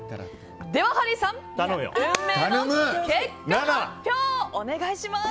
では、ハリーさん運命の結果発表をお願いします。